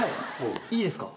いいですか？